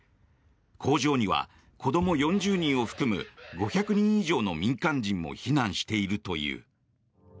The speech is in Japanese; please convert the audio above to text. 工場には子ども４０人を含む５００人以上の民間人も避難しているという。